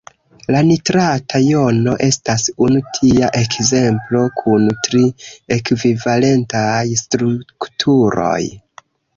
La nitrata jono estas unu tia ekzemplo kun tri ekvivalentaj strukturoj.